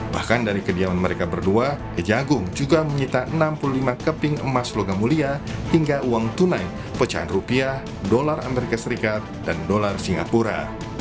bahkan dari kediaman mereka berdua kejagung juga menyita enam puluh lima keping emas logam mulia hingga uang tunai pecahan rupiah dolar amerika serikat dan dolar singapura